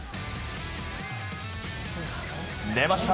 出ました！